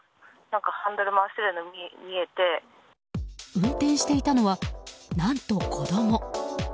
運転していたのは、何と子供。